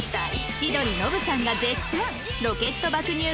千鳥ノブさんが絶賛！